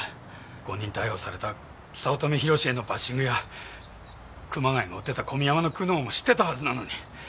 誤認逮捕された早乙女宏志へのバッシングや熊谷の追ってた小宮山の苦悩も知ってたはずなのに。